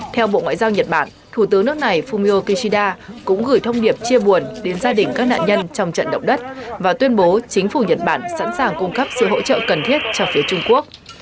theo bộ ngoại giao nhật bản thủ tướng nước này fumio kishida cũng gửi thông điệp chia buồn đến gia đình các nạn nhân trong trận động đất và tuyên bố chính phủ nhật bản sẵn sàng cung cấp sự hỗ trợ cần thiết cho phía trung quốc